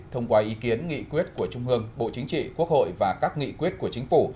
thông qua ý kiến nghị quyết của trung ương bộ chính trị quốc hội và các nghị quyết của chính phủ